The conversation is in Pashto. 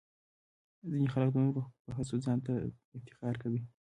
ځینې خلک د نورو په هڅو ځان ته افتخار کوي.